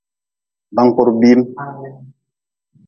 Bankpurbim.